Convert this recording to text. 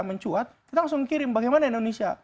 mencuat kita langsung kirim bagaimana indonesia